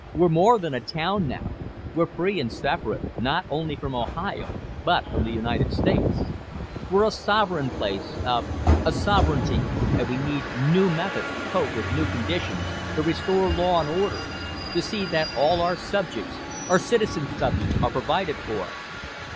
We're more than a town, now. We're free and separate, not only from Ohio, but from the United States. "We're a sovereign place, a a sovereignty, and we need new methods to cope with new conditions, to restore law and order, to see that all our subjects our citizen subjects are provided for."